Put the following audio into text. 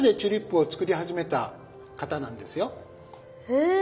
へえ。